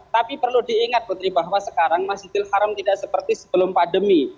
tapi perlu diingat putri bahwa sekarang masjidil haram tidak seperti sebelum pandemi